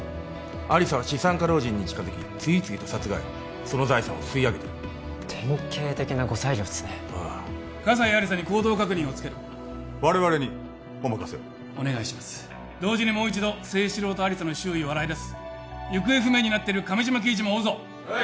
亜理紗は資産家老人に近づき次々と殺害その財産を吸い上げてる典型的な後妻業ですねああ葛西亜理紗に行動確認をつける我々にお任せをお願いします同時にもう一度征四郎と亜理紗の周囲を洗いだす行方不明になってる亀島喜一も追うぞはい！